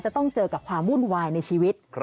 ต้องเจอกับความวุ่นวายในชีวิต